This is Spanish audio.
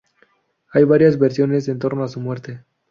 Hay varias versiones entorno a su muerte.